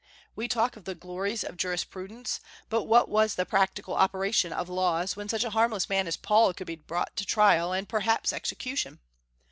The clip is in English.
We talk of the glories of jurisprudence; but what was the practical operation of laws when such a harmless man as Paul could be brought to trial, and perhaps execution!